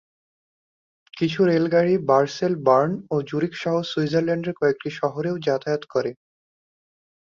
কিছু রেলগাড়ি basil, burn ও জুরিখ-সহ সুইজারল্যান্ডের কয়েকটি শহরেও যাতায়াত করে।